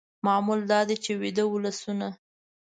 معمول دا دی چې ویده ولسونه